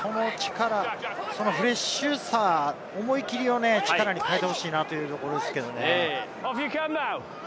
その力、そのフレッシュさ、思い切りを力に変えてほしいなというところですけれどもね。